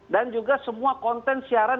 dan juga semua konten siaran